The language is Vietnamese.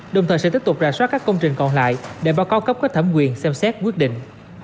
đồng thời sẽ tiếp tục rà soát các công trình còn lại để báo cáo cấp có thẩm quyền xem xét quyết định